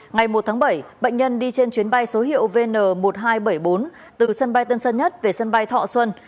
ngày một tháng bảy bệnh nhân đi trên chuyến bay số hiệu vn một nghìn hai trăm bảy mươi bốn từ sân bay tân sân nhất về sân bay thọ xuân